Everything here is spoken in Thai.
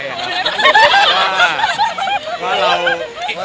ไม่ได้ไปไปอีกครั้งรอบเลย